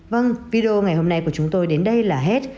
vâng video ngày hôm nay của chúng tôi đến đây là hết